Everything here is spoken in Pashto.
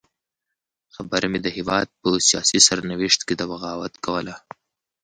خبره مې د هېواد په سیاسي سرنوشت کې د بغاوت کوله.